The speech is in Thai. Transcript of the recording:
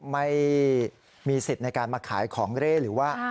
ไม่มีสิทธิ์ในการมาขายของเร่หรือว่า